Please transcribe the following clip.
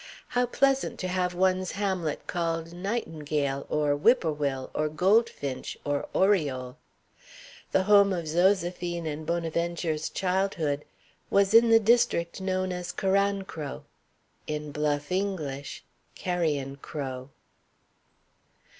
How pleasant to have one's hamlet called Nightingale, or Whippoorwill, or Goldfinch, or Oriole! The home of Zoséphine and Bonaventure's childhood was in the district known as Carancro; in bluff English, Carrion Crow.